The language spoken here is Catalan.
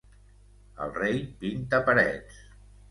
El rei pinta parets.